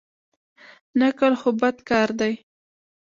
نقل خو بد کار دئ.